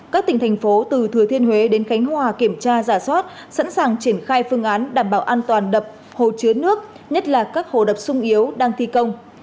các tỉnh thành phố từ thừa thiên huế đến khánh hòa kiểm tra giả soát sẵn sàng triển khai phương án đảm bảo an toàn đập hồ chứa nước nhất là các hồ đập sung yếu đang thi công